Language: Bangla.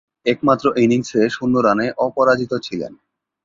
একমাত্র ইনিংসে শূন্য রানে অপরাজিত ছিলেন।